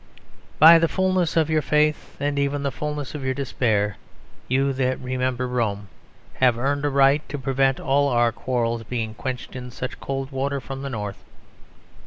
By the fulness of your faith and even the fulness of your despair, you that remember Rome, have earned a right to prevent all our quarrels being quenched in such cold water from the north.